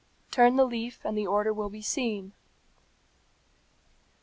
Turn the leaf and the order will be seen.'"